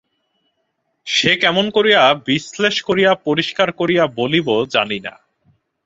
সে কেমন করিয়া বিশ্লেষ করিয়া পরিষ্কার করিয়া বলিব জানি না।